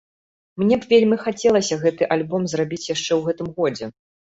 Мне б вельмі хацелася гэты альбом зрабіць яшчэ ў гэтым годзе.